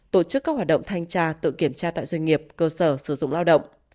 tổ chức các hoạt động thanh tra tự kiểm tra tại doanh nghiệp cơ sở sử dụng lao động